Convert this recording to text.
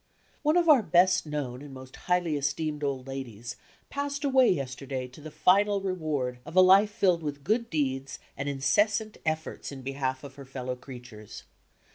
One of our best known and most highly esteemed old ladies passed away yesterday to the final reward of a life filled with good deeds and incessant efforts in behalf of her fellow creatures.